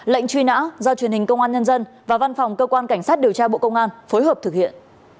lệnh truy nã do truyền hình công an nhân dân và văn phòng cơ quan cảnh sát điều tra bộ công an phối hợp thực hiện